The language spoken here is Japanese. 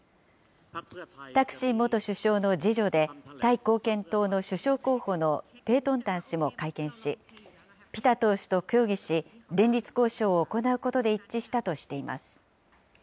タクシン元首相の次女で、タイ貢献党の首相候補のペートンタン氏も会見し、ピタ党首と協議し、連立交渉を行うことで一致したとしています。